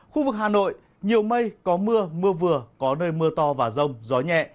khu vực hà nội nhiều mây có mưa mưa vừa có nơi mưa to và rông gió nhẹ